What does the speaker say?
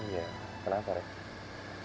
iya kenapa reh